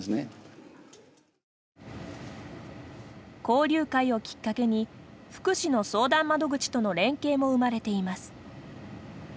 交流会をきっかけに福祉の相談窓口との連携も生まれています。